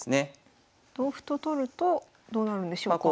同歩と取るとどうなるんでしょうか？